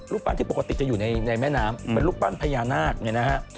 ปั้นที่ปกติจะอยู่ในแม่น้ำเป็นรูปปั้นพญานาคเนี่ยนะฮะ